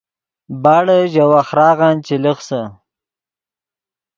باڑے ژے وَخۡراغن چے لخسے